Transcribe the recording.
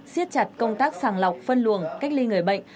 siết chặt công tác sàng lọc phân luồng cách ly người bệnh